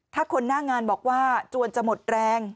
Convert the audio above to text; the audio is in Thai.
ถ้าคนหน้างานบอกว่าจวนจะหมดแรง